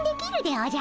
おじゃ。